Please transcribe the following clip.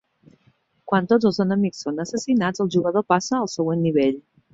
Quan tots els enemics són assassinats, el jugador passa al següent nivell.